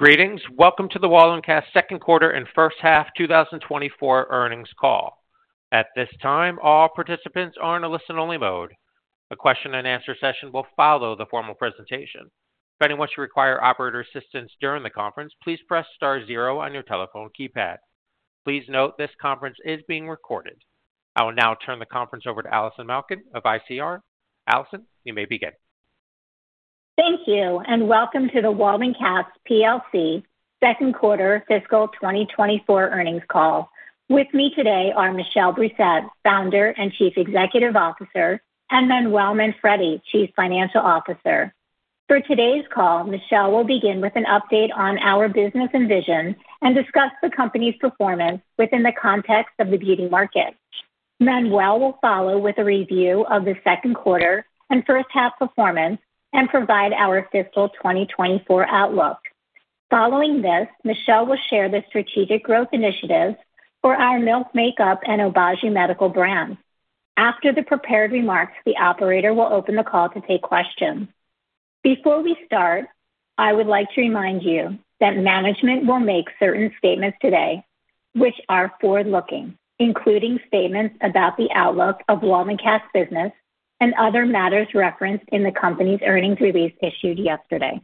Greetings! Welcome to the Waldencast second quarter and first half 2024 earnings call. At this time, all participants are in a listen-only mode. A question and answer session will follow the formal presentation. If anyone should require operator assistance during the conference, please press star zero on your telephone keypad. Please note, this conference is being recorded. I will now turn the conference over to Allison Malkin of ICR. Allison, you may begin. Thank you, and welcome to the Waldencast plc second quarter fiscal 2024 earnings call. With me today are Michel Brousset, Founder and Chief Executive Officer, and Manuel Manfredi, Chief Financial Officer. For today's call, Michel will begin with an update on our business and vision and discuss the company's performance within the context of the beauty market. Manuel will follow with a review of the second quarter and first half performance and provide our fiscal 2024 outlook. Following this, Michel will share the strategic growth initiatives for our Milk Makeup and Obagi Medical brands. After the prepared remarks, the operator will open the call to take questions. Before we start, I would like to remind you that management will make certain statements today, which are forward-looking, including statements about the outlook of Waldencast business and other matters referenced in the company's earnings release issued yesterday.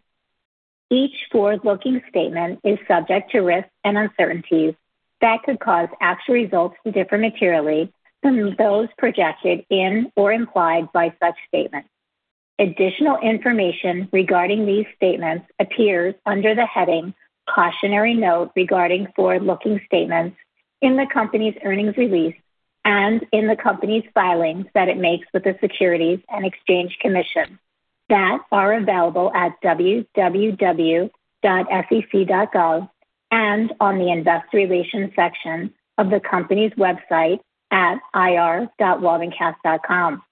Each forward-looking statement is subject to risks and uncertainties that could cause actual results to differ materially from those projected in or implied by such statements. Additional information regarding these statements appears under the heading "Cautionary Note Regarding Forward-Looking Statements" in the company's earnings release and in the company's filings that it makes with the Securities and Exchange Commission that are available at www.sec.gov, and on the investor relations section of the company's website at ir.waldencast.com,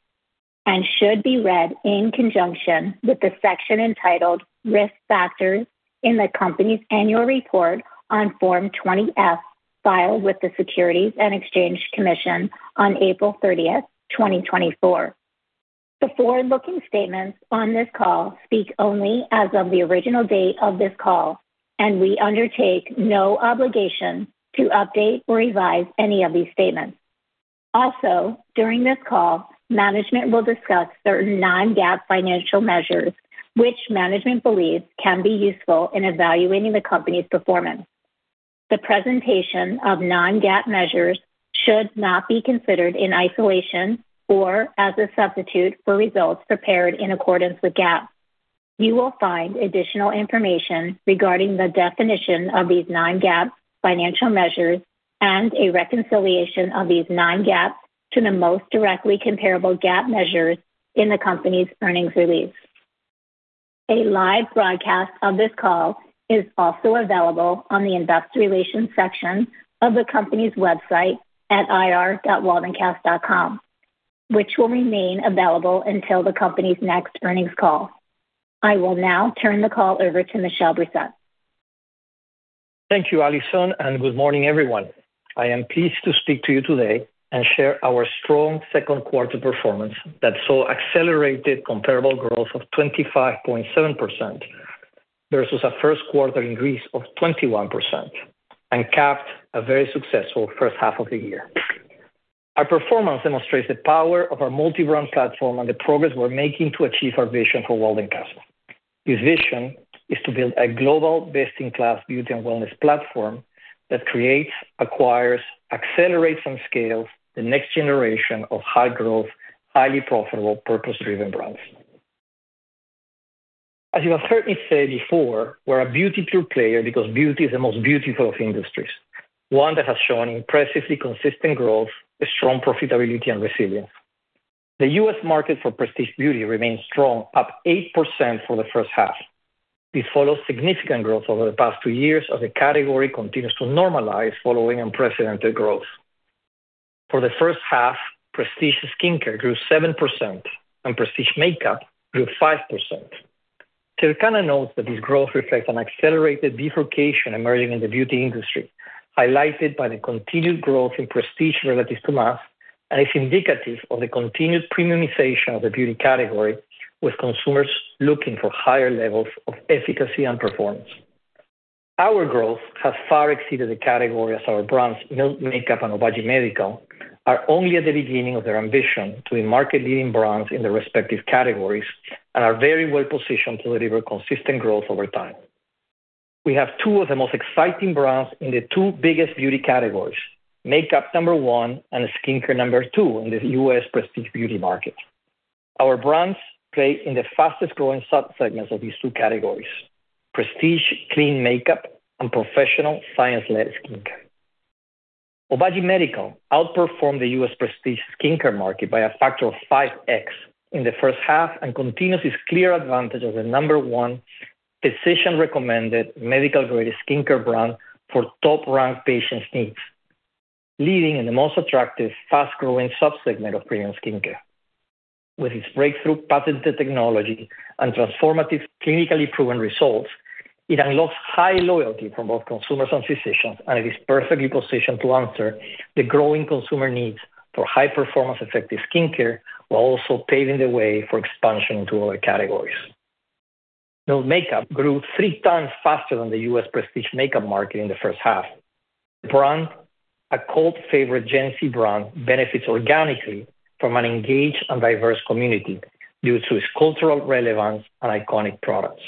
and should be read in conjunction with the section entitled "Risk Factors" in the company's annual report on Form 20-F, filed with the Securities and Exchange Commission on April 30th, 2024. The forward-looking statements on this call speak only as of the original date of this call, and we undertake no obligation to update or revise any of these statements. Also, during this call, management will discuss certain non-GAAP financial measures, which management believes can be useful in evaluating the company's performance. The presentation of non-GAAP measures should not be considered in isolation or as a substitute for results prepared in accordance with GAAP. You will find additional information regarding the definition of these non-GAAP financial measures and a reconciliation of these non-GAAP to the most directly comparable GAAP measures in the company's earnings release. A live broadcast of this call is also available on the investor relations section of the company's website at ir.waldencast.com, which will remain available until the company's next earnings call. I will now turn the call over to Michel Brousset. Thank you, Allison, and good morning, everyone. I am pleased to speak to you today and share our strong second quarter performance that saw accelerated comparable growth of 25.7%, versus a first quarter increase of 21% and capped a very successful first half of the year. Our performance demonstrates the power of our multi-brand platform and the progress we're making to achieve our vision for Waldencast. This vision is to build a global, best-in-class beauty and wellness platform that creates, acquires, accelerates, and scales the next generation of high-growth, highly profitable, purpose-driven brands. As you have heard me say before, we're a beauty pure player because beauty is the most beautiful of industries, one that has shown impressively consistent growth, a strong profitability, and resilience. The U.S. market for prestige beauty remains strong, up 8% for the first half. This follows significant growth over the past two years as the category continues to normalize, following unprecedented growth. For the first half, prestige skincare grew 7% and prestige makeup grew 5%. Circana notes that this growth reflects an accelerated bifurcation emerging in the beauty industry, highlighted by the continued growth in prestige relative to mass, and is indicative of the continued premiumization of the beauty category, with consumers looking for higher levels of efficacy and performance. Our growth has far exceeded the category as our brands, Milk Makeup and Obagi Medical, are only at the beginning of their ambition to be market-leading brands in their respective categories and are very well positioned to deliver consistent growth over time. We have two of the most exciting brands in the two biggest beauty categories, makeup number one and skincare number two in the U.S. prestige beauty market. Our brands play in the fastest-growing subsegments of these two categories, prestige clean makeup, and professional science-led skincare. Obagi Medical outperformed the U.S. prestige skincare market by a factor of 5x in the first half and continues its clear advantage as the number one physician-recommended, medical-grade skincare brand for top-ranked patients' needs, leading in the most attractive, fast-growing subsegment of premium skincare. With its breakthrough, patented technology and transformative, clinically proven results, it unlocks high loyalty from both consumers and physicians, and it is perfectly positioned to answer the growing consumer needs for high-performance, effective skincare, while also paving the way for expansion into other categories. Milk Makeup grew three times faster than the U.S. prestige makeup market in the first half. The brand, a cult favorite Gen Z brand, benefits organically from an engaged and diverse community due to its cultural relevance and iconic products.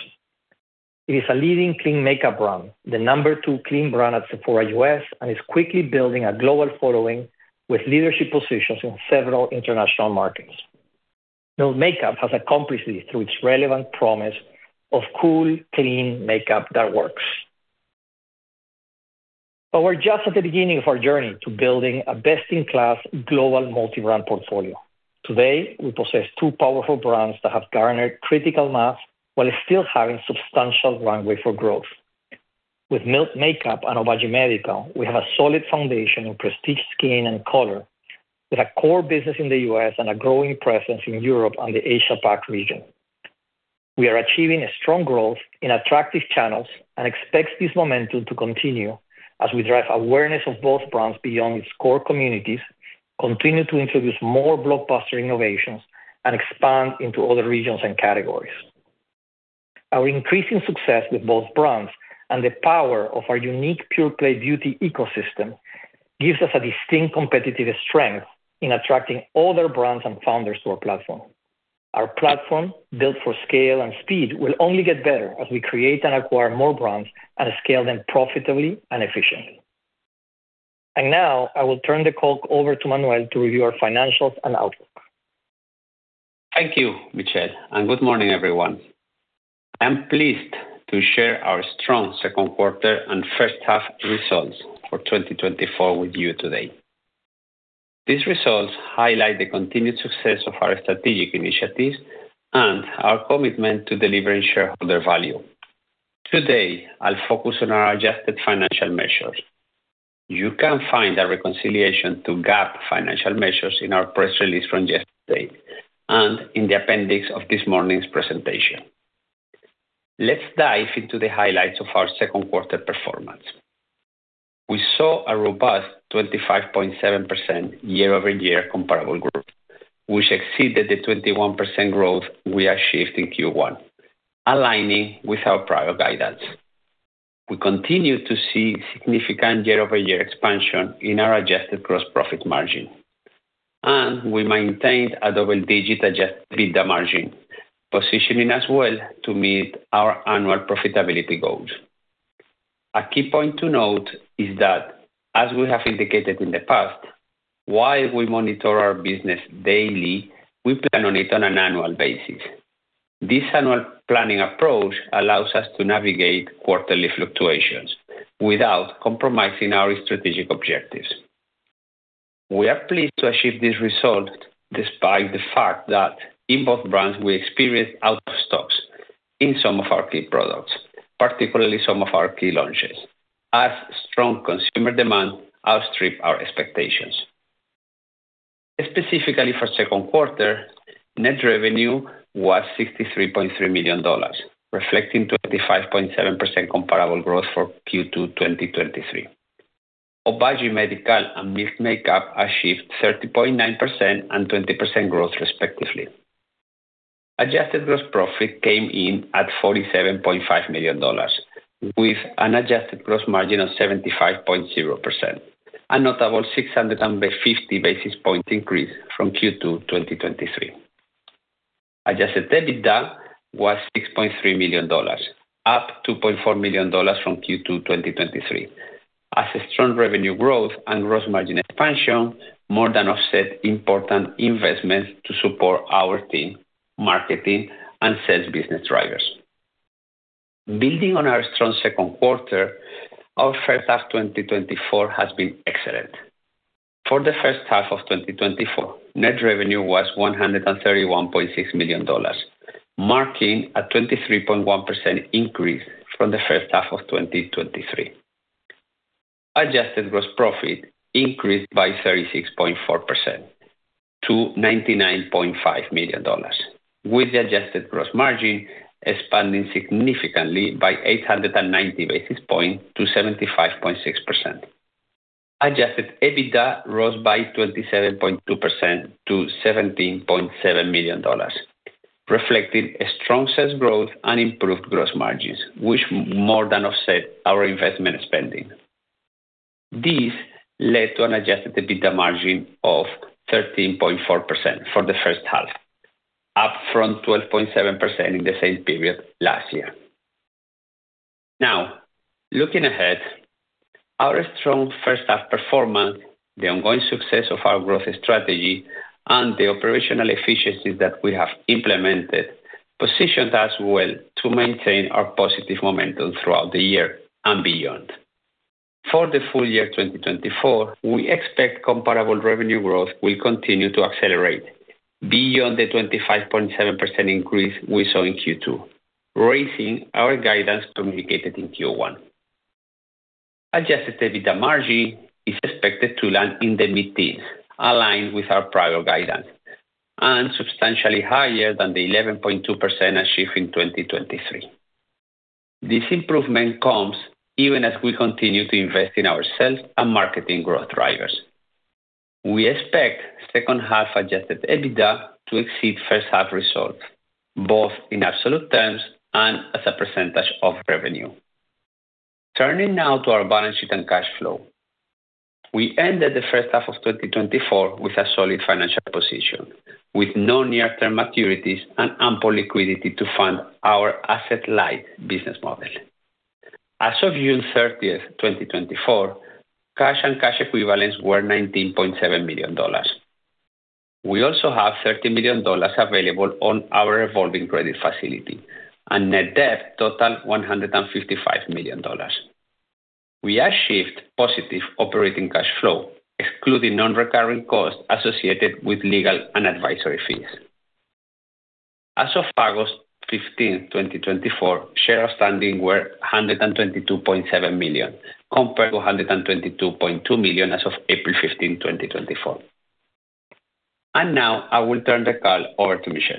It is a leading clean makeup brand, the number two clean brand at Sephora U.S., and is quickly building a global following with leadership positions in several international markets. Milk Makeup has accomplished this through its relevant promise of cool, clean makeup that works. But we're just at the beginning of our journey to building a best-in-class global multi-brand portfolio. Today, we possess two powerful brands that have garnered critical mass while still having substantial runway for growth. With Milk Makeup and Obagi Medical, we have a solid foundation in prestige, skin, and color, with a core business in the U.S. and a growing presence in Europe and the Asia-Pac region. We are achieving a strong growth in attractive channels and expects this momentum to continue as we drive awareness of both brands beyond its core communities, continue to introduce more blockbuster innovations, and expand into other regions and categories. Our increasing success with both brands and the power of our unique pure play beauty ecosystem, gives us a distinct competitive strength in attracting other brands and founders to our platform. Our platform, built for scale and speed, will only get better as we create and acquire more brands and scale them profitably and efficiently. And now, I will turn the call over to Manuel to review our financials and outlook. Thank you, Michel, and good morning, everyone. I'm pleased to share our strong second quarter and first half results for 2024 with you today. These results highlight the continued success of our strategic initiatives and our commitment to delivering shareholder value. Today, I'll focus on our adjusted financial measures. You can find a reconciliation to GAAP financial measures in our press release from yesterday, and in the appendix of this morning's presentation. Let's dive into the highlights of our second quarter performance. We saw a robust 25.7% year-over-year comparable growth, which exceeded the 21% growth we achieved in Q1, aligning with our prior guidance. We continue to see significant year-over-year expansion in our adjusted gross profit margin, and we maintained a double-digit adjusted EBITDA margin, positioning us well to meet our annual profitability goals. A key point to note is that, as we have indicated in the past, while we monitor our business daily, we plan on it on an annual basis. This annual planning approach allows us to navigate quarterly fluctuations without compromising our strategic objectives. We are pleased to achieve this result despite the fact that in both brands, we experienced out of stocks in some of our key products, particularly some of our key launches, as strong consumer demand outstripped our expectations. Specifically for second quarter, net revenue was $63.3 million, reflecting 25.7% comparable growth for Q2 2023. Obagi Medical and Milk Makeup achieved 30.9% and 20% growth, respectively. Adjusted gross profit came in at $47.5 million, with an adjusted gross margin of 75.0%, a notable 650 basis point increase from Q2 2023. Adjusted EBITDA was $6.3 million, up $2.4 million from Q2 2023, as a strong revenue growth and gross margin expansion more than offset important investments to support our team, marketing, and sales business drivers. Building on our strong second quarter, our first half 2024 has been excellent. For the first half of 2024, net revenue was $131.6 million, marking a 23.1% increase from the first half of 2023. Adjusted gross profit increased by 36.4% to $99.5 million, with the adjusted gross margin expanding significantly by 890 basis points to 75.6%. Adjusted EBITDA rose by 27.2% to $17.7 million, reflecting a strong sales growth and improved gross margins, which more than offset our investment spending. This led to an Adjusted EBITDA margin of 13.4% for the first half, up from 12.7% in the same period last year. Now, looking ahead, our strong first half performance, the ongoing success of our growth strategy, and the operational efficiencies that we have implemented, positions us well to maintain our positive momentum throughout the year and beyond. For the full year 2024, we expect comparable revenue growth will continue to accelerate beyond the 25.7% increase we saw in Q2, raising our guidance communicated in Q1. Adjusted EBITDA margin is expected to land in the mid-teens, aligned with our prior guidance, and substantially higher than the 11.2% achieved in 2023. This improvement comes even as we continue to invest in our sales and marketing growth drivers. We expect second half Adjusted EBITDA to exceed first half results, both in absolute terms and as a percentage of revenue. Turning now to our balance sheet and cash flow. We ended the first half of 2024 with a solid financial position, with no near-term maturities and ample liquidity to fund our asset-light business model. As of June 30th, 2024, cash and cash equivalents were $19.7 million. We also have $13 million available on our revolving credit facility, and net debt totaled $155 million. We achieved positive operating cash flow, excluding non-recurring costs associated with legal and advisory fees. As of August 15th, 2024, shares outstanding were 122.7 million, compared to 122.2 million as of April 15th, 2024. Now, I will turn the call over to Michel.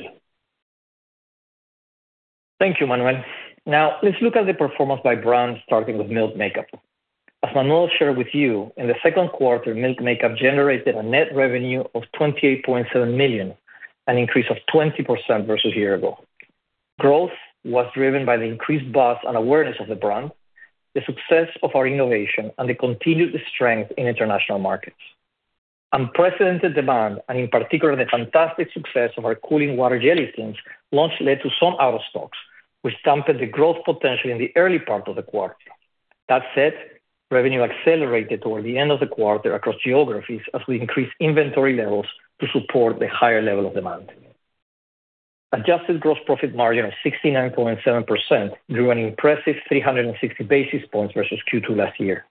Thank you, Manuel. Now, let's look at the performance by brand, starting with Milk Makeup. As Manuel shared with you, in the second quarter, Milk Makeup generated a net revenue of $28.7 million, an increase of 20% versus a year ago. Growth was driven by the increased buzz and awareness of the brand, the success of our innovation, and the continued strength in international markets. Unprecedented demand, and in particular, the fantastic success of our Cooling Water Jelly Tint launch led to some out of stocks, which dampened the growth potential in the early part of the quarter. That said, revenue accelerated toward the end of the quarter across geographies as we increased inventory levels to support the higher level of demand. Adjusted gross profit margin of 69.7% grew an impressive 360 basis points versus Q2 last year,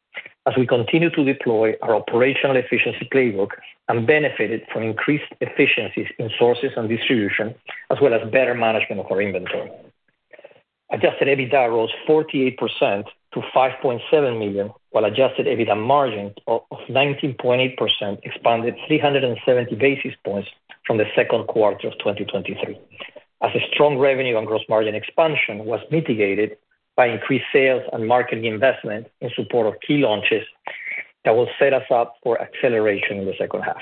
as we continued to deploy our operational efficiency playbook and benefited from increased efficiencies in sources and distribution, as well as better management of our inventory. Adjusted EBITDA rose 48% to $5.7 million, while adjusted EBITDA margin of 19 point 8% expanded 370 basis points from the second quarter of 2023, as a strong revenue and gross margin expansion was mitigated by increased sales and marketing investment in support of key launches that will set us up for acceleration in the second half.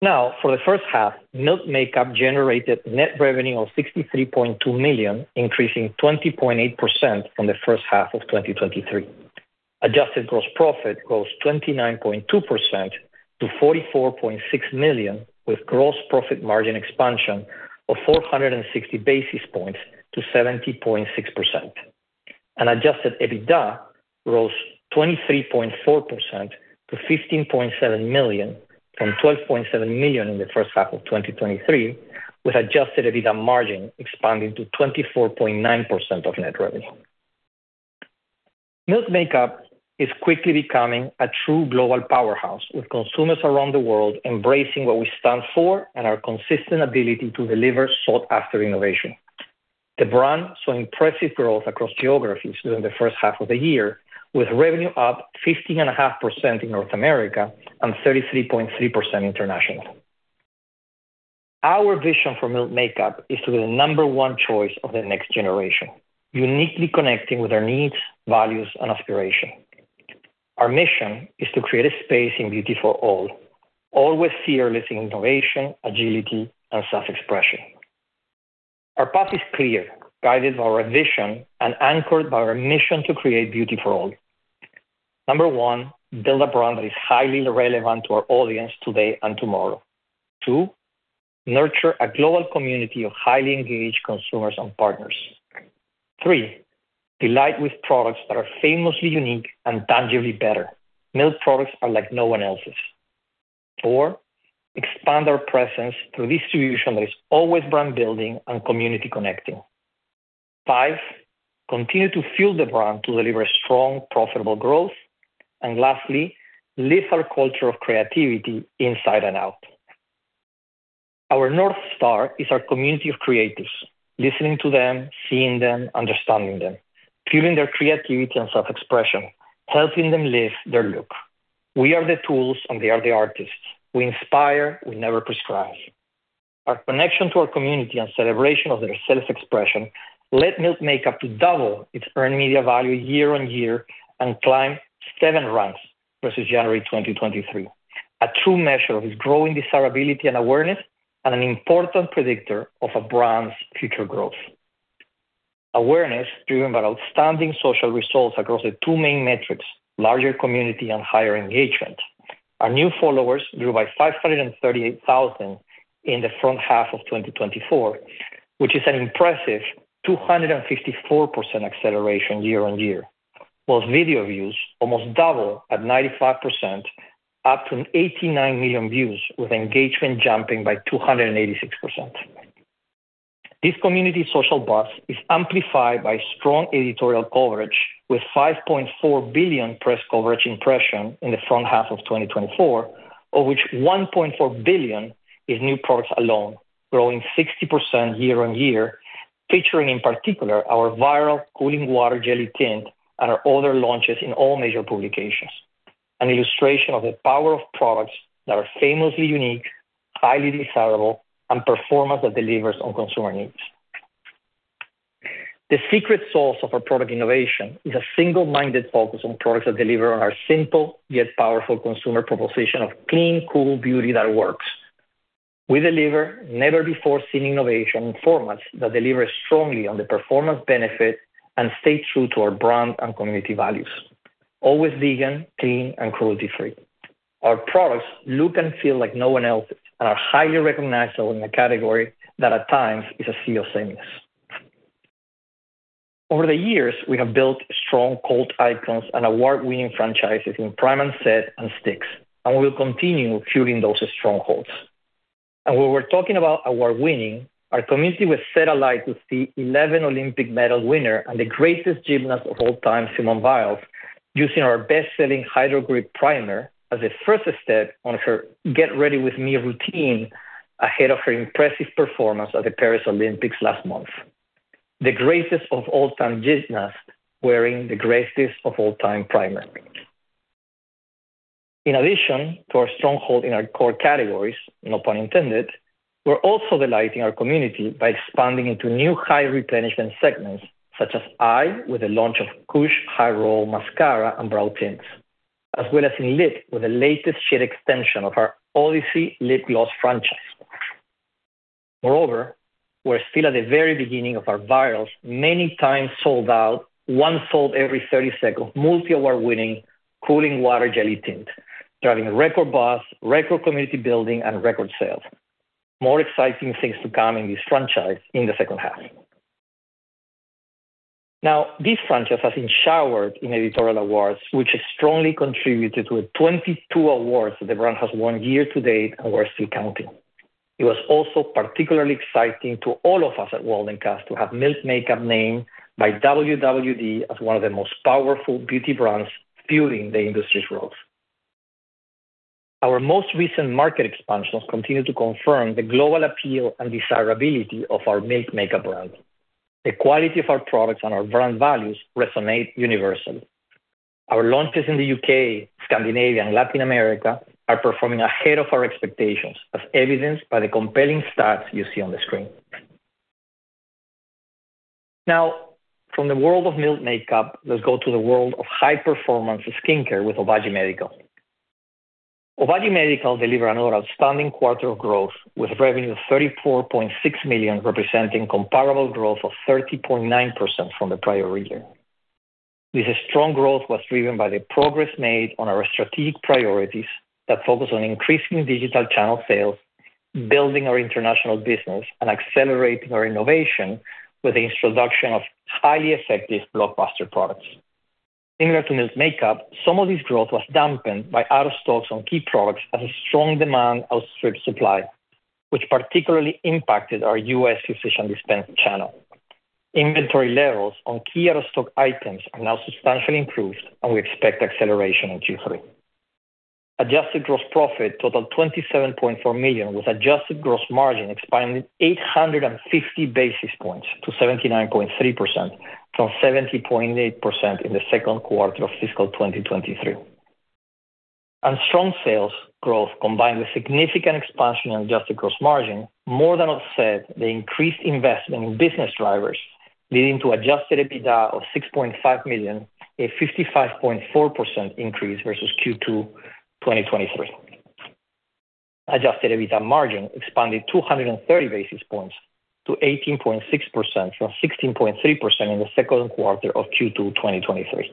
Now, for the first half, Milk Makeup generated net revenue of $63.2 million, increasing 20.8% from the first half of 2023. Adjusted gross profit grows 29.2% to $44.6 million, with gross profit margin expansion of 460 basis points to 70.6%. Adjusted EBITDA rose 23.4% to $15.7 million from $12.7 million in the first half of 2023, with adjusted EBITDA margin expanding to 24.9% of net revenue. Milk Makeup is quickly becoming a true global powerhouse, with consumers around the world embracing what we stand for and our consistent ability to deliver sought-after innovation. The brand saw impressive growth across geographies during the first half of the year, with revenue up 15.5% in North America and 33.3% internationally. Our vision for Milk Makeup is to be the number one choice of the next generation, uniquely connecting with their needs, values, and aspiration. Our mission is to create a space in beauty for all, always fearless in innovation, agility, and self-expression. Our path is clear, guided by our vision and anchored by our mission to create beauty for all. Number one, build a brand that is highly relevant to our audience today and tomorrow. Two, nurture a global community of highly engaged consumers and partners. Three, delight with products that are famously unique and tangibly better. Milk products are like no one else's. Four, expand our presence through distribution that is always brand building and community connecting. Five, continue to fuel the brand to deliver strong, profitable growth. And lastly, live our culture of creativity inside and out. Our North Star is our community of creatives, listening to them, seeing them, understanding them, fueling their creativity and self-expression, helping them live their look. We are the tools, and they are the artists. We inspire, we never prescribe. Our connection to our community and celebration of their self-expression led Milk Makeup to double its earned media value year-on-year and climb seven ranks versus January 2023, a true measure of its growing desirability and awareness and an important predictor of a brand's future growth. Awareness, driven by outstanding social results across the two main metrics, larger community and higher engagement. Our new followers grew by 538,000 in the front half of 2024, which is an impressive 254% acceleration year-on-year, while video views almost doubled 95%, up from 89 million views, with engagement jumping by 286%. This community social buzz is amplified by strong editorial coverage, with 5.4 billion press coverage impression in the front half of 2024, of which 1.4 billion is new products alone, growing 60% year-on-year, featuring, in particular, our viral Cooling Water Jelly Tint and our other launches in all major publications. An illustration of the power of products that are famously unique, highly desirable, and performance that delivers on consumer needs. The secret sauce of our product innovation is a single-minded focus on products that deliver on our simple, yet powerful consumer proposition of clean, cool beauty that works. We deliver never-before-seen innovation in formats that deliver strongly on the performance benefit and stay true to our brand and community values, always vegan, clean, and cruelty-free. Our products look and feel like no one else's and are highly recognizable in a category that, at times, is a sea of sameness. Over the years, we have built strong cult icons and award-winning franchises in primers, sets, and sticks, and we will continue fueling those strongholds. When we're talking about award-winning, our community was set alight with the eleven Olympic medal winner and the greatest gymnast of all time, Simone Biles, using our best-selling Hydro Grip Primer as a first step on her Get Ready With Me routine ahead of her impressive performance at the Paris Olympics last month. The greatest of all time gymnast, wearing the greatest of all time primer. In addition to our stronghold in our core categories, no pun intended, we're also delighting our community by expanding into new high replenishment segments, such as eye, with the launch of KUSH High Roll Mascara and KUSH Brow Tints, as well as in lip, with the latest shade extension of our Odyssey Lip Gloss franchise. Moreover, we're still at the very beginning of our virals, many times sold out, one sold every 30 seconds, multi-award-winning Cooling Water Jelly Tint, driving a record buzz, record community building, and record sales. More exciting things to come in this franchise in the second half. Now, this franchise has been showered in editorial awards, which has strongly contributed to the 22 awards that the brand has won year-to-date, and we're still counting. It was also particularly exciting to all of us at Waldencast to have Milk Makeup named by WWD as one of the most powerful beauty brands fueling the industry's growth. Our most recent market expansions continue to confirm the global appeal and desirability of our Milk Makeup brand. The quality of our products and our brand values resonate universally. Our launches in the U.K., Scandinavia, and Latin America are performing ahead of our expectations, as evidenced by the compelling stats you see on the screen. Now, from the world of Milk Makeup, let's go to the world of high-performance skincare with Obagi Medical. Obagi Medical delivered another outstanding quarter of growth, with revenue of $34.6 million, representing comparable growth of 30.9% from the prior year. This strong growth was driven by the progress made on our strategic priorities that focus on increasing digital channel sales, building our international business, and accelerating our innovation with the introduction of highly effective blockbuster products. Similar to Milk Makeup, some of this growth was dampened by out-of-stocks on key products as a strong demand outstripped supply, which particularly impacted our U.S. physician-dispensed channel. Inventory levels on key out-of-stock items are now substantially improved, and we expect acceleration in Q3. Adjusted gross profit totaled $27.4 million, with adjusted gross margin expanding 850 basis points to 79.3% from 70.8% in the second quarter of fiscal 2023. Strong sales growth, combined with significant expansion in adjusted gross margin, more than offset the increased investment in business drivers, leading to adjusted EBITDA of $6.5 million, a 55.4% increase versus Q2 2023. Adjusted EBITDA margin expanded 230 basis points to 18.6% from 16.3% in the second quarter of Q2 2023.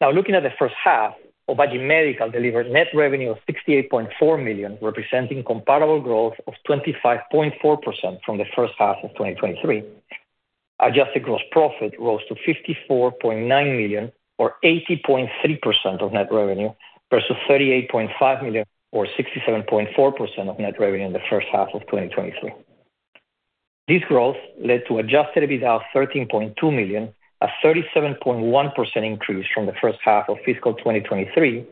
Now, looking at the first half, Obagi Medical delivered net revenue of $68.4 million, representing comparable growth of 25.4% from the first half of 2023. Adjusted gross profit rose to $54.9 million or 80.3% of net revenue, versus $38.5 million or 67.4% of net revenue in the first half of 2023. This growth led to adjusted EBITDA of $13.2 million, a 37.1% increase from the first half of fiscal 2023,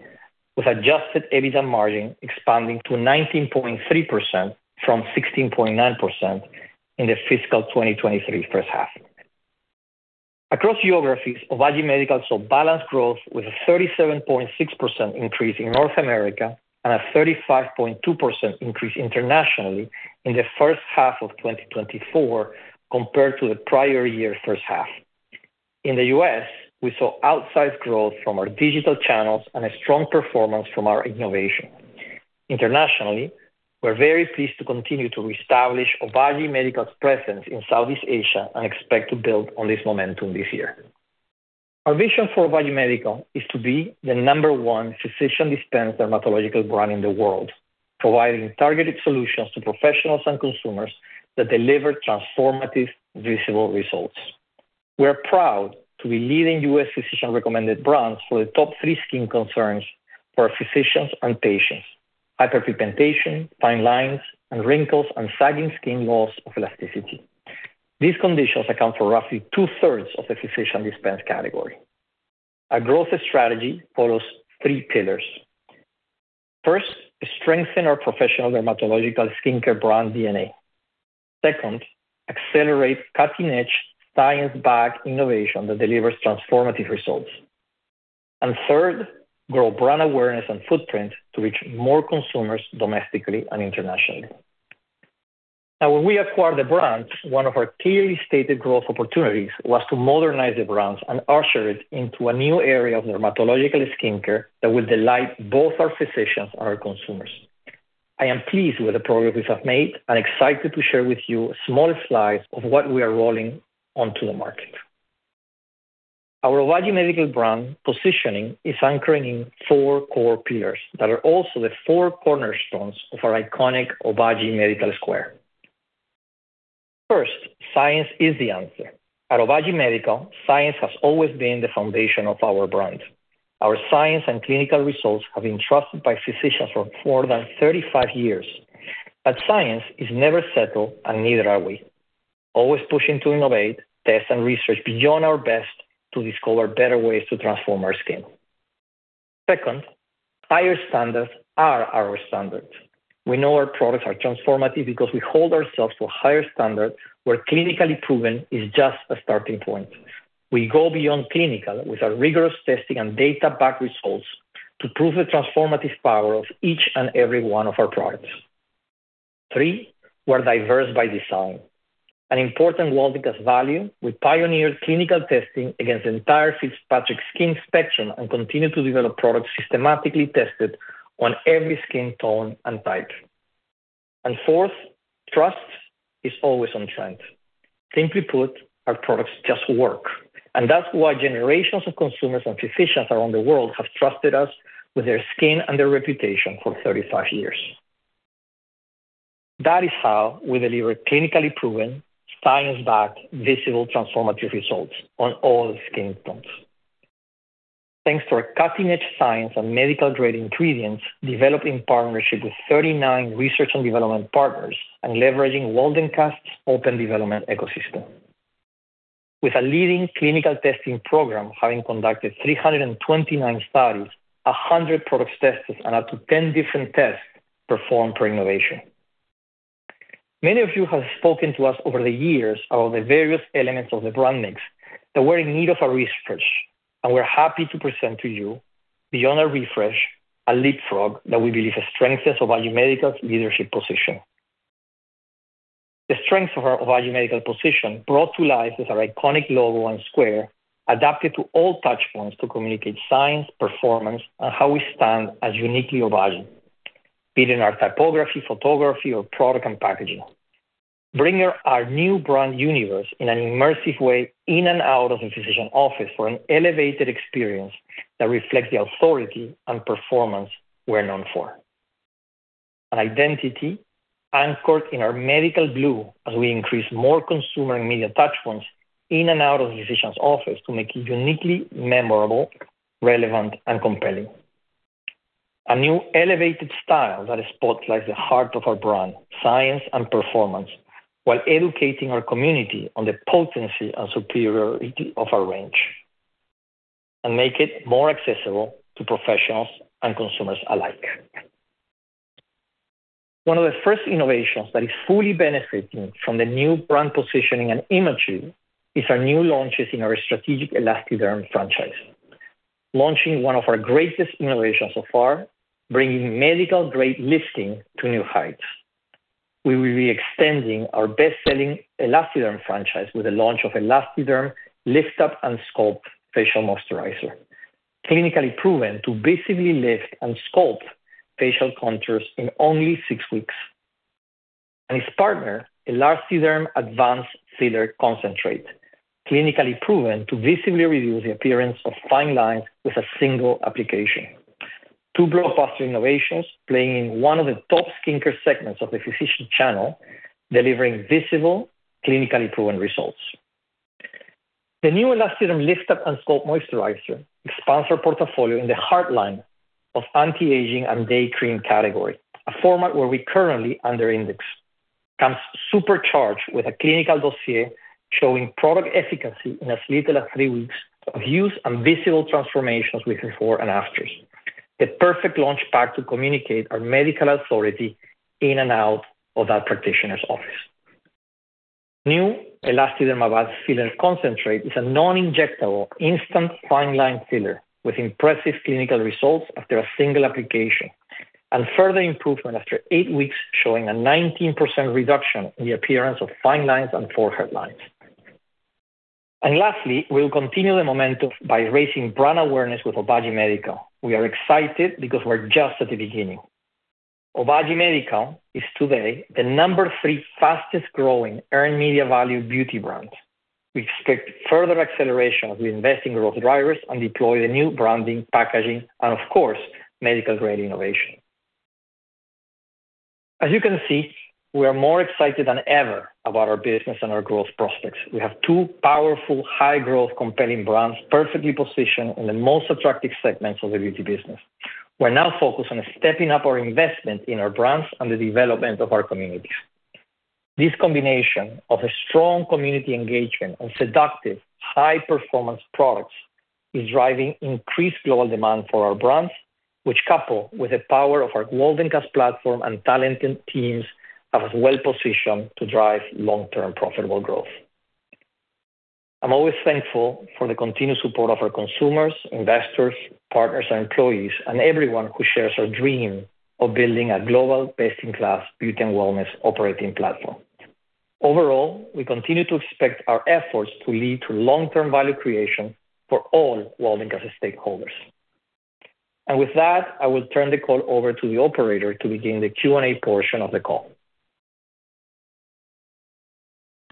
with adjusted EBITDA margin expanding to 19.3% from 16.9% in the fiscal 2023 first half. Across geographies, Obagi Medical saw balanced growth with a 37.6% increase in North America and a 35.2% increase internationally in the first half of 2024 compared to the prior year's first half. In the U.S., we saw outsized growth from our digital channels and a strong performance from our innovation. Internationally, we're very pleased to continue to reestablish Obagi Medical's presence in Southeast Asia and expect to build on this momentum this year. Our vision for Obagi Medical is to be the number one physician-dispensed dermatological brand in the world, providing targeted solutions to professionals and consumers that deliver transformative, visible results. We are proud to be leading U.S. physician-recommended brands for the top three skin concerns for physicians and patients: hyperpigmentation, fine lines, and wrinkles, and sagging skin, loss of elasticity. These conditions account for roughly two-thirds of the physician-dispensed category. Our growth strategy follows three pillars. First, strengthen our professional dermatological skincare brand DNA. Second, accelerate cutting-edge, science-backed innovation that delivers transformative results. And third, grow brand awareness and footprint to reach more consumers domestically and internationally. Now, when we acquired the brands, one of our clearly stated growth opportunities was to modernize the brands and usher it into a new area of dermatological skincare that will delight both our physicians and our consumers. I am pleased with the progress we have made and excited to share with you a small slice of what we are rolling onto the market. Our Obagi Medical brand positioning is anchoring in four core pillars that are also the four cornerstones of our iconic Obagi Medical square. First, science is the answer. At Obagi Medical, science has always been the foundation of our brand. Our science and clinical results have been trusted by physicians for more than 35 years. But science is never settled, and neither are we. Always pushing to innovate, test, and research beyond our best to discover better ways to transform our skin. Second, higher standards are our standards. We know our products are transformative because we hold ourselves to a higher standard, where clinically proven is just a starting point. We go beyond clinical with our rigorous testing and data-backed results to prove the transformative power of each and every one of our products. Three, we're diverse by design. An important Waldencast value, we pioneered clinical testing against the entire Fitzpatrick skin spectrum and continue to develop products systematically tested on every skin tone and type. And fourth, trust is always on trend. Simply put, our products just work, and that's why generations of consumers and physicians around the world have trusted us with their skin and their reputation for 35 years. That is how we deliver clinically proven, science-backed, visible, transformative results on all skin tones. Thanks to our cutting-edge science and medical-grade ingredients, developed in partnership with 39 research and development partners and leveraging Waldencast's open development ecosystem. With a leading clinical testing program, having conducted 329 studies, 100 products tested, and up to 10 different tests performed per innovation. Many of you have spoken to us over the years about the various elements of the brand mix, that we're in need of a refresh, and we're happy to present to you beyond a refresh, a leapfrog that we believe strengthens Obagi Medical's leadership position. The strength of our Obagi Medical position, brought to life with our iconic logo and square, adapted to all touch points to communicate science, performance, and how we stand as uniquely Obagi. Be it in our typography, photography, or product and packaging. Bringing our new brand universe in an immersive way, in and out of the physician office, for an elevated experience that reflects the authority and performance we're known for. An identity anchored in our medical blue as we increase more consumer and media touch points in and out of physicians' offices to make it uniquely memorable, relevant, and compelling. A new elevated style that spotlights the heart of our brand, science and performance, while educating our community on the potency and superiority of our range, and make it more accessible to professionals and consumers alike. One of the first innovations that is fully benefiting from the new brand positioning and imagery is our new launches in our strategic ELASTIderm franchise. Launching one of our greatest innovations so far, bringing medical-grade lifting to new heights. We will be extending our best-selling ELASTIderm franchise with the launch of ELASTIderm Lift Up and Sculpt Facial Moisturizer, clinically proven to basically lift and sculpt facial contours in only six weeks. And its partner, ELASTIderm Advanced Filler Concentrate, clinically proven to visibly reduce the appearance of fine lines with a single application. Two blockbuster innovations, playing in one of the top skincare segments of the physician channel, delivering visible, clinically proven results. The new ELASTIderm Lift Up and Sculpt Moisturizer expands our portfolio in the heart line of anti-aging and day cream category, a format where we currently under index. Comes supercharged with a clinical dossier, showing product efficacy in as little as three weeks of use and visible transformations with before and afters. The perfect launchpad to communicate our medical authority in and out of that practitioner's office. New ELASTIderm Advanced Filler Concentrate is a non-injectable, instant fine line filler with impressive clinical results after a single application, and further improvement after eight weeks, showing a 19% reduction in the appearance of fine lines and forehead lines. And lastly, we'll continue the momentum by raising brand awareness with Obagi Medical. We are excited because we're just at the beginning. Obagi Medical is today the number three fastest-growing earned media value beauty brand. We expect further acceleration as we invest in growth drivers and deploy the new branding, packaging, and, of course, medical-grade innovation. As you can see, we are more excited than ever about our business and our growth prospects. We have two powerful, high-growth, compelling brands, perfectly positioned in the most attractive segments of the beauty business. We're now focused on stepping up our investment in our brands and the development of our communities.... This combination of a strong community engagement and seductive high performance products is driving increased global demand for our brands, which, coupled with the power of our Waldencast platform and talented teams, are well positioned to drive long-term profitable growth. I'm always thankful for the continued support of our consumers, investors, partners, and employees, and everyone who shares our dream of building a global best-in-class beauty and wellness operating platform. Overall, we continue to expect our efforts to lead to long-term value creation for all Waldencast stakeholders. And with that, I will turn the call over to the operator to begin the Q&A portion of the call.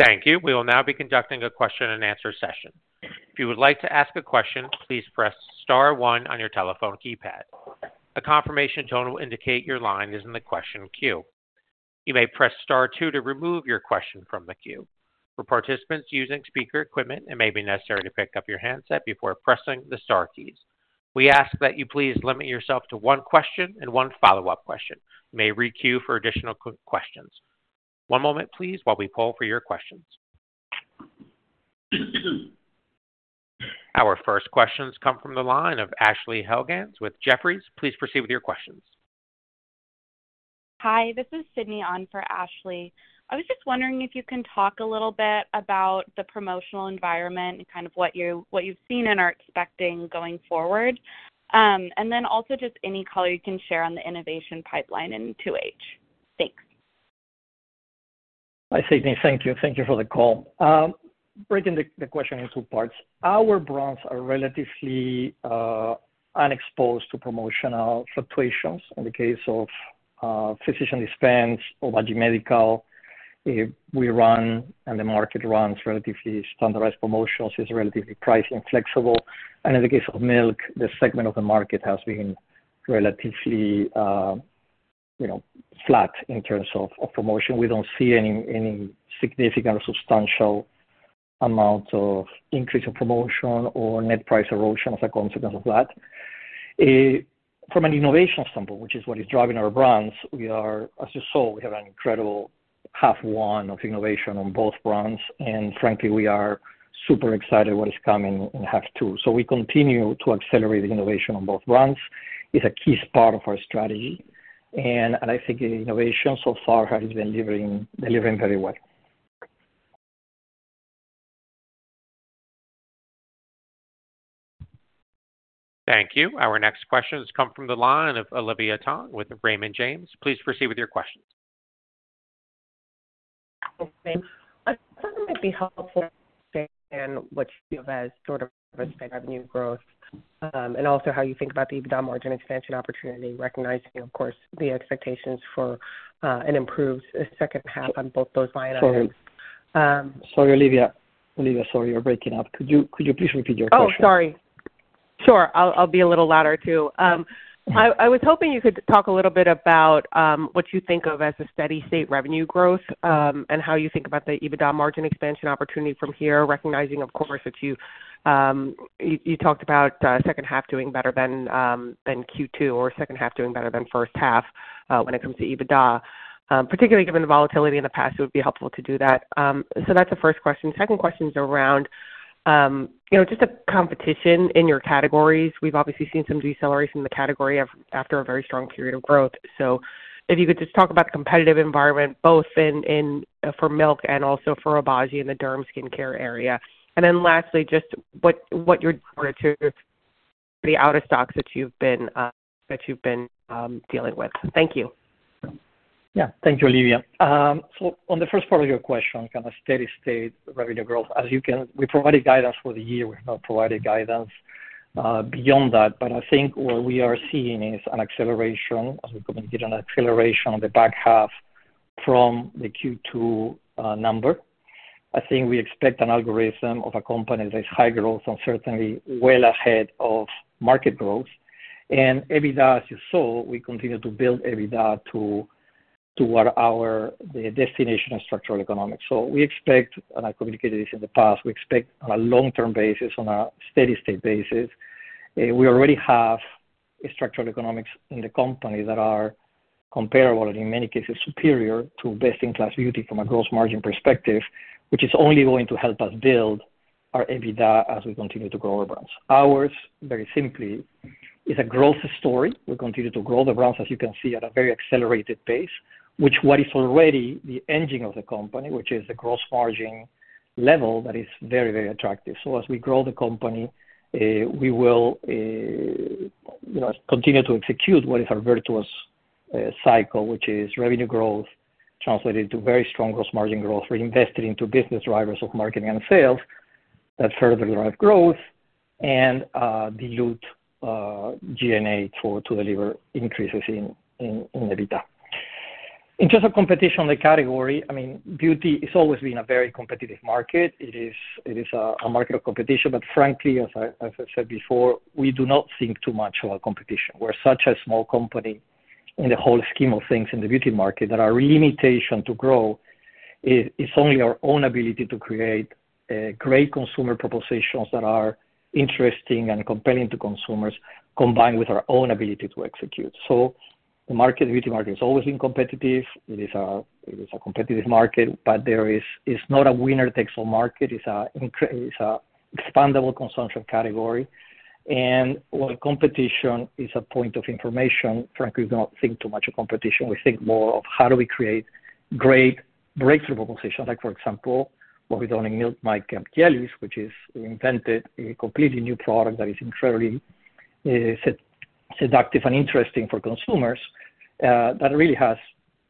Thank you. We will now be conducting a question and answer session. If you would like to ask a question, please press star one on your telephone keypad. A confirmation tone will indicate your line is in the question queue. You may press star two to remove your question from the queue. For participants using speaker equipment, it may be necessary to pick up your handset before pressing the star keys. We ask that you please limit yourself to one question and one follow-up question. You may re-queue for additional questions. One moment, please, while we poll for your questions. Our first questions come from the line of Ashley Helgans with Jefferies. Please proceed with your questions. Hi, this is Sydney on for Ashley. I was just wondering if you can talk a little bit about the promotional environment and kind of what you, what you've seen and are expecting going forward? And then also just any color you can share on the innovation pipeline in 2H? Thanks. Hi, Sydney. Thank you. Thank you for the call. Breaking the question in two parts. Our brands are relatively unexposed to promotional fluctuations. In the case of physician-dispensed Obagi Medical, we run, and the market runs relatively standardized promotions, is relatively price inflexible, and in the case of Milk, this segment of the market has been relatively, you know, flat in terms of promotion. We don't see any significant or substantial amount of increase in promotion or net price erosion as a consequence of that. From an innovation standpoint, which is what is driving our brands, we are, as you saw, we have an incredible half one of innovation on both brands, and frankly, we are super excited what is coming in half two. We continue to accelerate the innovation on both brands. It's a key part of our strategy, and I think innovation so far has been delivering very well. Thank you. Our next question has come from the line of Olivia Tong with Raymond James. Please proceed with your questions. Thanks. I thought it might be helpful to understand what you have as sort of a revenue growth, and also how you think about the EBITDA margin expansion opportunity, recognizing, of course, the expectations for an improved second half on both those line items. Sorry, Olivia. Olivia, sorry, you're breaking up. Could you please repeat your question? Oh, sorry. Sure, I'll be a little louder, too. I was hoping you could talk a little bit about what you think of as a steady state revenue growth and how you think about the EBITDA margin expansion opportunity from here, recognizing, of course, that you talked about second half doing better than Q2 or second half doing better than first half when it comes to EBITDA. Particularly given the volatility in the past, it would be helpful to do that. So that's the first question. Second question is around you know, just the competition in your categories. We've obviously seen some deceleration in the category of- after a very strong period of growth. So if you could just talk about the competitive environment, both in for Milk and also for Obagi in the derm skincare area. And then lastly, just what are the out of stocks that you've been dealing with. Thank you. Yeah. Thank you, Olivia. So on the first part of your question, kind of steady state revenue growth, as you can, we provided guidance for the year. We have not provided guidance beyond that, but I think what we are seeing is an acceleration, as we communicate, an acceleration on the back half from the Q2 number. I think we expect a trajectory of a company that is high growth and certainly well ahead of market growth. And EBITDA, as you saw, we continue to build EBITDA to the destination of our structural economics. So we expect, and I communicated this in the past, we expect on a long-term basis, on a steady state basis, we already have a structural economics in the company that are comparable, and in many cases superior, to best-in-class beauty from a gross margin perspective, which is only going to help us build our EBITDA as we continue to grow our brands. Ours, very simply, is a growth story. We continue to grow the brands, as you can see, at a very accelerated pace, which is already the engine of the company, which is the gross margin level that is very, very attractive. As we grow the company, we will, you know, continue to execute what is our virtuous cycle, which is revenue growth translated to very strong gross margin growth, reinvested into business drivers of marketing and sales that further drive growth and dilute G&A to deliver increases in EBITDA. In terms of competition in the category, I mean, beauty has always been a very competitive market. It is a market of competition, but frankly, as I said before, we do not think too much about competition. We're such a small company in the whole scheme of things in the beauty market, that our limitation to grow is only our own ability to create great consumer propositions that are interesting and compelling to consumers, combined with our own ability to execute. The market, the beauty market has always been competitive. It is a competitive market, but it's not a winner takes all market. It's an expandable consumption category, and while competition is a point of information, frankly, we don't think too much of competition. We think more of how do we create great breakthrough propositions, like, for example, what we've done in Milk Makeup and jellies, which is invented a completely new product that is incredibly seductive and interesting for consumers, that really has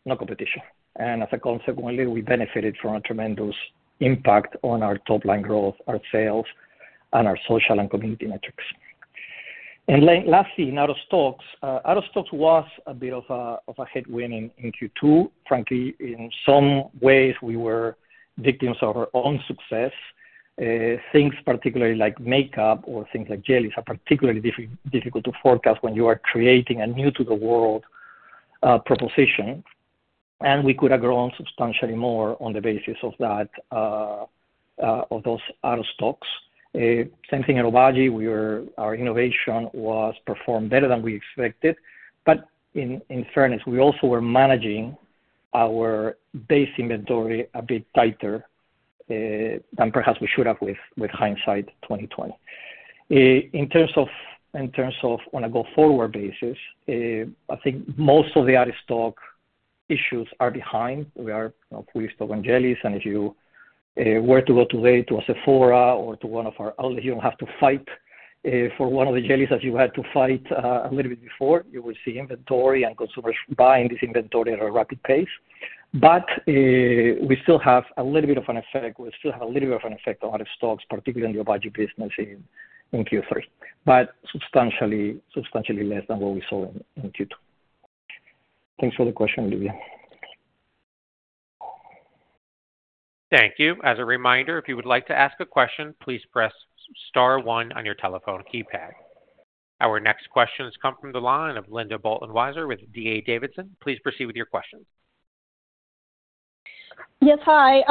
no competition. And as a consequence, we benefited from a tremendous impact on our top line growth, our sales, and our social and community metrics. And lastly, out of stocks was a bit of a headwind in Q2. Frankly, in some ways, we were victims of our own success. Things particularly like makeup or things like jellies are particularly difficult to forecast when you are creating a new to the world proposition. And we could have grown substantially more on the basis of that of those out of stocks. Same thing at Obagi. Our innovation was performed better than we expected, but in fairness, we also were managing our base inventory a bit tighter than perhaps we should have with hindsight, 2020. In terms of on a go-forward basis, I think most of the out-of-stock issues are behind. We are, you know, fully stocked on jellies, and if you were to go today to a Sephora or to one of our outlets, you don't have to fight for one of the jellies as you had to fight a little bit before. You will see inventory and consumers buying this inventory at a rapid pace. But we still have a little bit of an effect. We still have a little bit of an effect on out of stocks, particularly in the Obagi business in Q3, but substantially less than what we saw in Q2. Thanks for the question, Olivia. Thank you. As a reminder, if you would like to ask a question, please press star one on your telephone keypad. Our next question has come from the line of Linda Bolton Weiser with D.A. Davidson. Please proceed with your question. Yes, hi.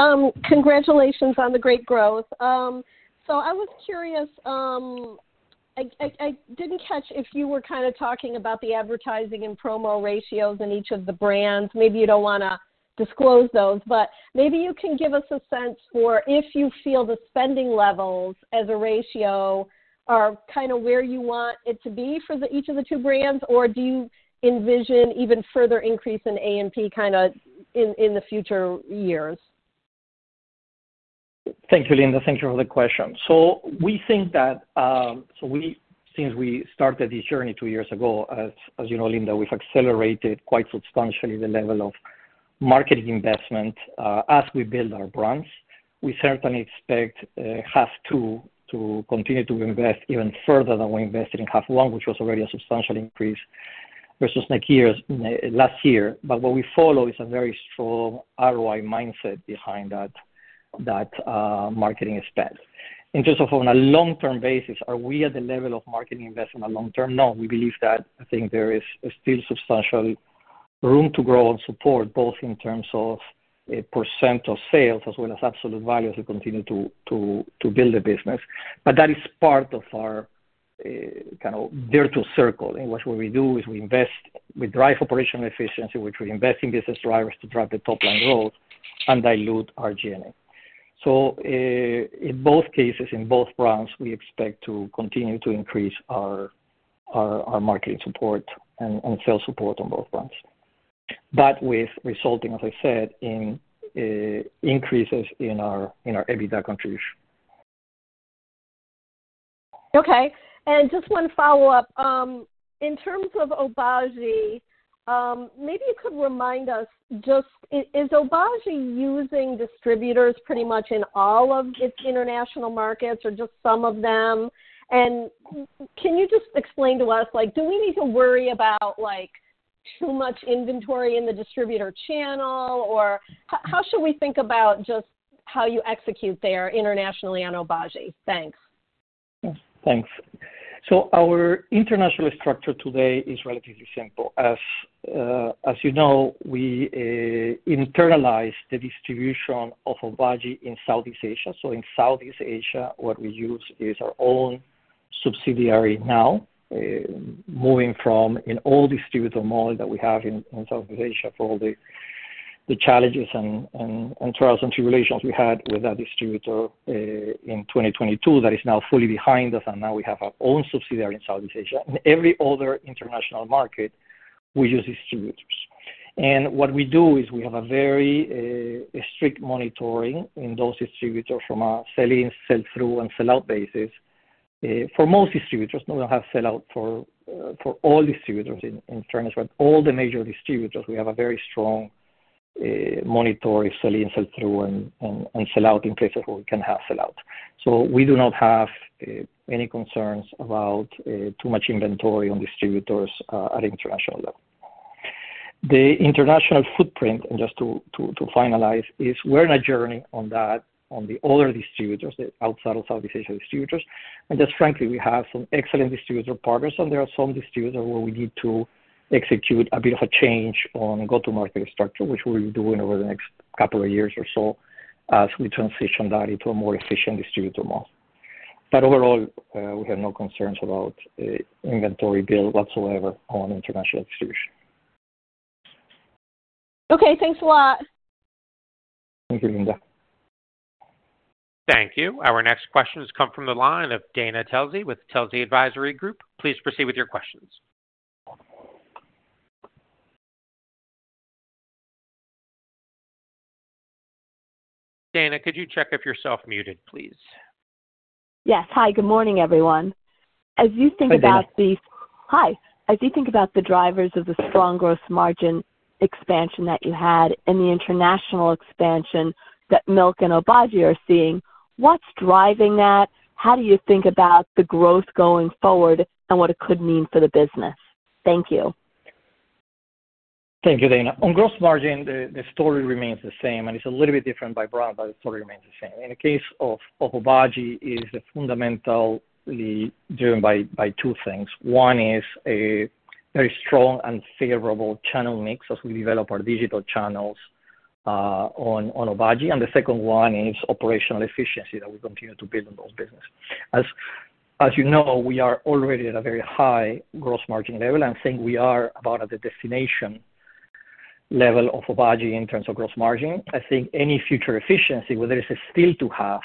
Congratulations on the great growth. So I was curious. I didn't catch if you were kind of talking about the advertising and promo ratios in each of the brands. Maybe you don't wanna disclose those, but maybe you can give us a sense for if you feel the spending levels as a ratio are kind of where you want it to be for each of the two brands, or do you envision even further increase in A&P, kind of, in the future years? Thank you, Linda. Thank you for the question. So we think that since we started this journey two years ago, as you know, Linda, we've accelerated quite substantially the level of marketing investment, as we build our brands. We certainly expect half two to continue to invest even further than we invested in half one, which was already a substantial increase versus last year. But what we follow is a very strong ROI mindset behind that marketing expense. In terms of on a long-term basis, are we at the level of marketing investment on long term? No. We believe that I think there is still substantial room to grow and support, both in terms of a percent of sales as well as absolute value, as we continue to build a business. But that is part of our kind of virtuous circle in which what we do is we invest, we drive operational efficiency, which we invest in business drivers to drive the top line growth and dilute our G&A. So, in both cases, in both brands, we expect to continue to increase our marketing support and sales support on both brands, but with resulting, as I said, in increases in our EBITDA contribution. Okay, and just one follow-up. In terms of Obagi, maybe you could remind us just, is Obagi using distributors pretty much in all of its international markets or just some of them? And can you just explain to us, like, do we need to worry about, like, too much inventory in the distributor channel? Or how should we think about just how you execute there internationally on Obagi? Thanks. Thanks. So our international structure today is relatively simple. As you know, we internalize the distribution of Obagi in Southeast Asia. So in Southeast Asia, what we use is our own subsidiary now, moving from an old distributor model that we have in Southeast Asia for all the challenges and trials and tribulations we had with that distributor, in 2022. That is now fully behind us, and now we have our own subsidiary in Southeast Asia. In every other international market, we use distributors. And what we do is we have a very strict monitoring in those distributors from a sell-in, sell-through, and sell-out basis, for most distributors. We don't have sell-out for all distributors in terms with all the major distributors. We have a very strong monitoring sell-in, sell-through and sell-out in places where we can have sell-out. So we do not have any concerns about too much inventory on distributors at international level. The international footprint, and just to finalize, is we're on a journey on that, on the other distributors, outside of Southeast Asia distributors. And just frankly, we have some excellent distributor partners, and there are some distributors where we need to execute a bit of a change on go-to-market structure, which we'll be doing over the next couple of years or so as we transition that into a more efficient distributor model. But overall, we have no concerns about inventory build whatsoever on international distribution. Okay, thanks a lot. Thank you, Linda. Thank you. Our next question has come from the line of Dana Telsey with Telsey Advisory Group. Please proceed with your questions. Dana, could you check if you're self-muted, please? Yes. Hi, good morning, everyone. As you think about the- Hi, Dana. Hi. As you think about the drivers of the strong gross margin expansion that you had and the international expansion that Milk and Obagi are seeing, what's driving that? How do you think about the growth going forward and what it could mean for the business? Thank you. Thank you, Dana. On gross margin, the story remains the same, and it's a little bit different by brand, but the story remains the same. In the case of Obagi, is fundamentally driven by two things. One is a very strong and favorable channel mix as we develop our digital channels on Obagi, and the second one is operational efficiency that we continue to build on those business. As you know, we are already at a very high gross margin level, and I think we are about at the destination level of Obagi in terms of gross margin. I think any future efficiency, whether it is still to have,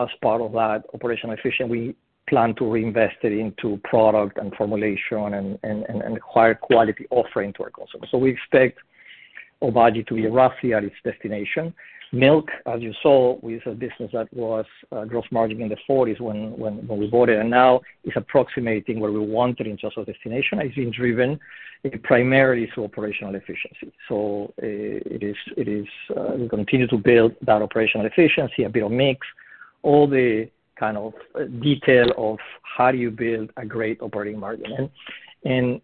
as part of that operational efficiency, we plan to reinvest it into product and formulation and acquire quality offering to our customers. So we expect Obagi to be roughly at its destination. Milk, as you saw, is a business that was gross margin in the forties when we bought it, and now it's approximating where we want it in terms of destination. It's being driven primarily through operational efficiency. So it is we continue to build that operational efficiency, a bit of mix, all the kind of detail of how do you build a great operating margin. And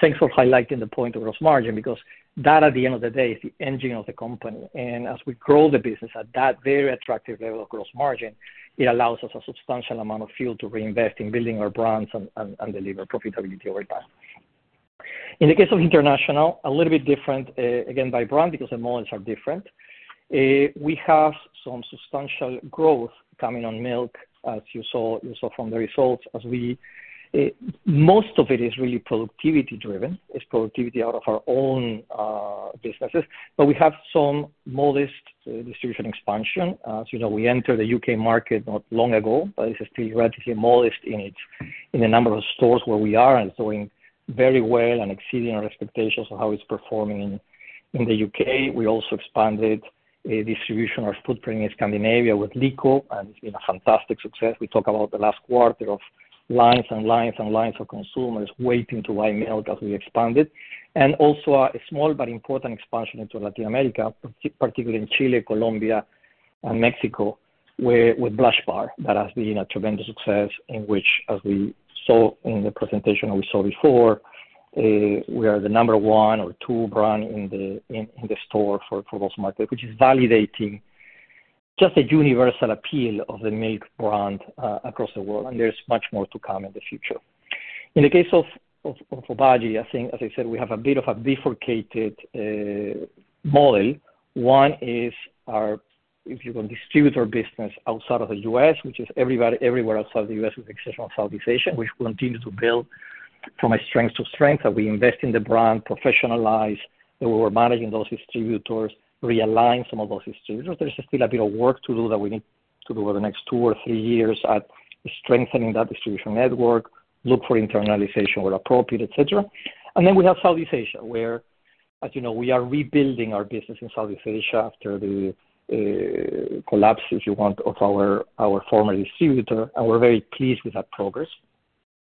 thanks for highlighting the point of gross margin, because that, at the end of the day, is the engine of the company. And as we grow the business at that very attractive level of gross margin, it allows us a substantial amount of fuel to reinvest in building our brands and deliver profitability over time. In the case of international, a little bit different, again, by brand, because the models are different. We have some substantial growth coming on Milk, as you saw from the results, as we. Most of it is really productivity driven. It's productivity out of our own, businesses, but we have some modest distribution expansion. As you know, we entered the U.K. market not long ago, but it's still relatively modest in its, the number of stores where we are and doing very well and exceeding our expectations of how it's performing in the U.K. We also expanded a distribution of footprint in Scandinavia with Lyko, and it's been a fantastic success. We talk about the last quarter of lines and lines and lines of consumers waiting to buy Milk as we expanded. And also a small but important expansion into Latin America, particularly in Chile, Colombia, and Mexico, where with Blush-Bar, that has been a tremendous success, in which, as we saw in the presentation we saw before, we are the number one or two brand in the store for those markets, which is validating just a universal appeal of the Milk brand across the world, and there's much more to come in the future. In the case of Obagi, I think, as I said, we have a bit of a bifurcated model. One is our, if you can distribute our business outside of the U.S., which is everybody, everywhere outside the U.S., with the exception of Southeast Asia, which we continue to build from a strength to strength, that we invest in the brand, professionalize, that we're managing those distributors, realign some of those distributors. There's still a bit of work to do that we need to do over the next two or three years at strengthening that distribution network, look for internalization where appropriate, et cetera. And then we have Southeast Asia, where, as you know, we are rebuilding our business in Southeast Asia after the collapse, if you want, of our former distributor, and we're very pleased with that progress.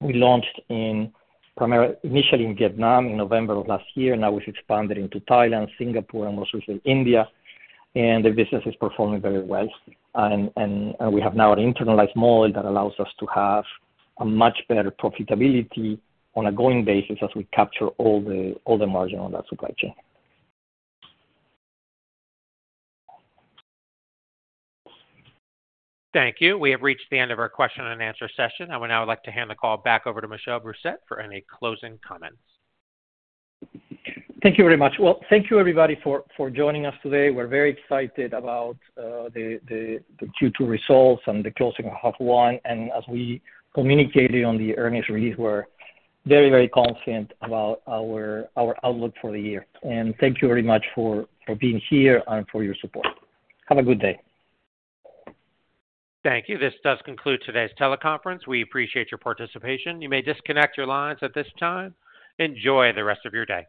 We launched primarily, initially in Vietnam in November of last year. Now we've expanded into Thailand, Singapore, and most recently, India, and the business is performing very well. We have now an internalized model that allows us to have a much better profitability on a going basis as we capture all the margin on that supply chain. Thank you. We have reached the end of our question and answer session. I would now like to hand the call back over to Michel Brousset for any closing comments. Thank you very much. Thank you, everybody, for joining us today. We're very excited about the Q2 results and the closing of half one. As we communicated on the earnings release, we're very, very confident about our outlook for the year. Thank you very much for being here and for your support. Have a good day. Thank you. This does conclude today's teleconference. We appreciate your participation. You may disconnect your lines at this time. Enjoy the rest of your day.